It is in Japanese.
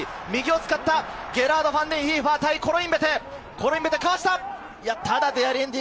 ゲラード・ファンデンヒーファー対コロインベテ！